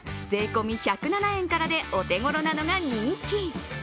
税込み１０７円からでお手ごろなのが人気。